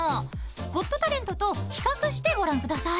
［『ゴット・タレント』と比較してご覧ください］